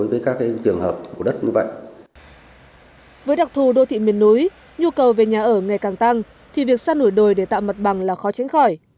với đặc thù đô thị miền núi nhu cầu về nhà ở ngày càng tăng thì việc sa nổi đồi để tạo mặt bằng là khó tránh khỏi